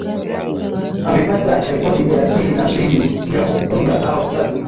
Amepata rekodi thelathini na mbili ya kufunga bao tatu